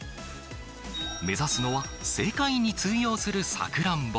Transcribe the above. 目指すのは、世界に通用するさくらんぼ。